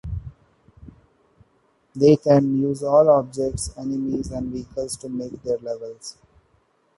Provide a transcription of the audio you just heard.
They can use all the objects, enemies, and vehicles to make their levels.